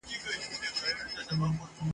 چي لا پاته یو افغان وي چي ودان وي لا یو کلی !.